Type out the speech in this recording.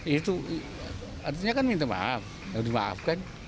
itu artinya kan minta maaf dimaafkan